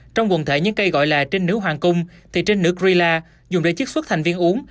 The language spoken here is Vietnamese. trong quần thể những cây gọi là trinh nữ hoàng cung thì trinh nữ grilla dùng để chứa xuất thành viên uống